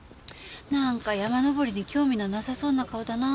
なんか山登りに興味のなさそうな顔だなあと思って。